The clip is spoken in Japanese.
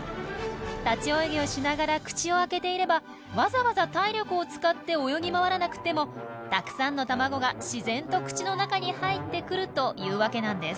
立ち泳ぎをしながら口を開けていればわざわざ体力を使って泳ぎ回らなくてもたくさんの卵が自然と口の中に入ってくるというわけなんです。